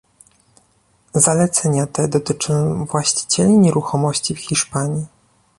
Zalecenia te dotyczą właścicieli nieruchomości w Hiszpanii